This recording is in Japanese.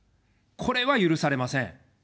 これは許されません。